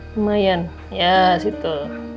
lumayan ya situ